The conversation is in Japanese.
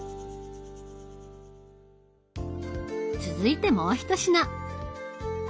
続いてもう一品。